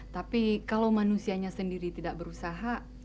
tapi kalau manusianya sendiri tidak berusaha